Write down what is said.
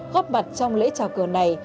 góp mặt trong lễ trào cờ này